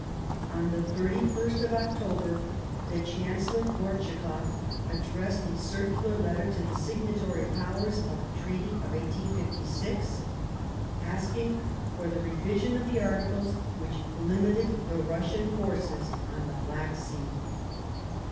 On the 31st: of October The question the Chancellor Gortschakoff addressed Sea a circular letter to the Signatory Powers of the Treaty of 1856, asking for the revision of the articles which limited the Russian forces on the Black Sea.